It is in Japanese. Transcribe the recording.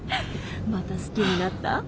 また好きになった？